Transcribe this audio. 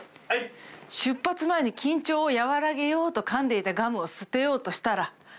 「出発前に緊張を和らげようとかんでいたガムを捨てようとしたら」